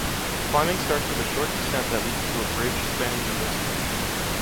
Climbing starts with a short descent that leads to a bridge spanning the Vésubie.